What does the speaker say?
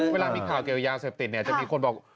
เวลามีข่าวเกี่ยวยาเสพติดจะมีคนบอก